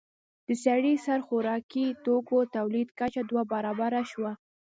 د سړي سر خوراکي توکو تولید کچه دوه برابره شوه.